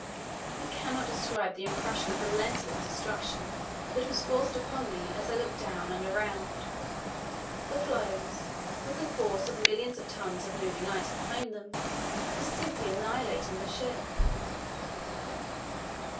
I cannot describe the impression of relentless destruction that was forced upon me as I looked down and around. The floes, with the force of millions of tons of moving ice behind them, were simply annihilating the ship."